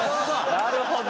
なるほど。